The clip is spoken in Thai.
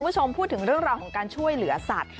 คุณผู้ชมพูดถึงเรื่องราวของการช่วยเหลือสัตว์